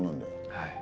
はい。